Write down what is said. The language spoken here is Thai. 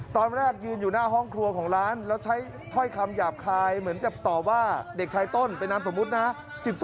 ตอนแรกยืนอยู่หน้าห้องครัวของร้านแล้วใช้ถ้อยคำหยาบคายเหมือนจะตอบว่าเด็กชายต้นเป็นนามสมมุตินะ